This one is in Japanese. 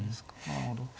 なるほど。